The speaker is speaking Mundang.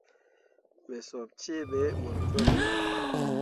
Me sop cee ɓe mor jolɓo.